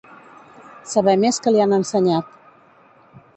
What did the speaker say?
Saber més que li han ensenyat.